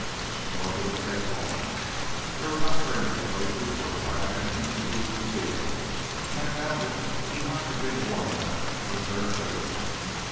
Nor did it take long. There were not very many places where a private entrance could be concealed, and I found it behind the big war map, in the third room.